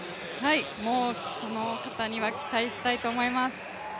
この方には期待したいと思います。